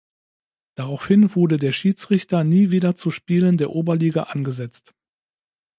Daraufhin wurde der Schiedsrichter nie wieder zu Spielen der Oberliga angesetzt.